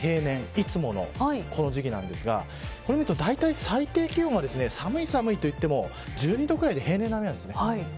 いつもの、この時期なんですがだいたい最低気温は寒いと言っても１２度ぐらいで平年並みなんです。